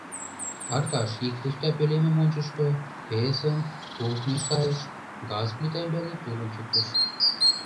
Аркаш ик пуста пӧлемым ончышто, весым, кухньыш кайыш, газ плита ӱмбалне тулым чӱктыш.